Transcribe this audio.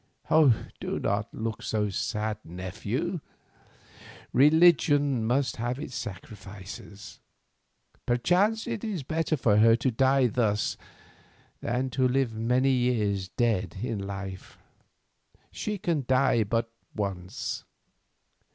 Do not look so sad, nephew, religion must have its sacrifices. Perchance it is better for her to die thus than to live for many years dead in life. She can die but once.